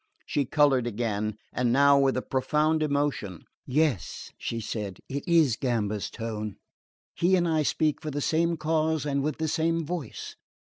She coloured again; and now with a profound emotion. "Yes," she said, "it is Gamba's tone. He and I speak for the same cause and with the same voice.